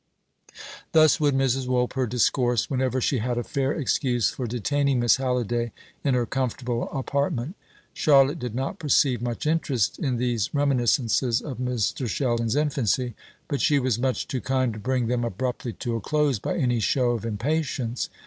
Thus would Mrs. Woolper discourse whenever she had a fair excuse for detaining Miss Halliday in her comfortable apartment. Charlotte did not perceive much interest in these reminiscences of Mr. Sheldon's infancy, but she was much too kind to bring them abruptly to a close by any show of impatience.